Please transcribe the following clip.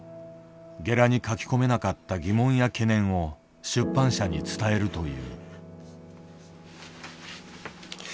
ゲラに書き込めなかった疑問や懸念を出版社に伝えるという。